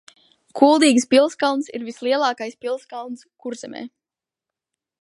Kuld?gas pilskalns ir visliel?kais pilskalns Kurzem?.